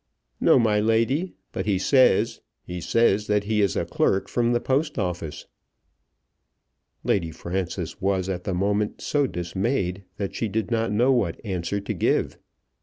"No, my lady; but he says, he says that he is a clerk from the Post Office." Lady Frances was at the moment so dismayed that she did not know what answer to give.